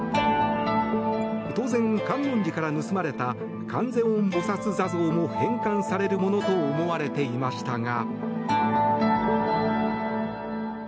当然、観音寺から盗まれた観世音菩薩坐像も返還されるものと思われていましたが。